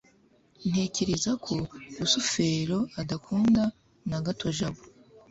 ntekereza ko rusufero adakunda na gato jabo